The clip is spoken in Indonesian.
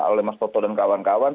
oleh mas toto dan kawan kawan